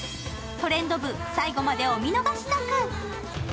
「トレンド部」最後までお見逃しなく。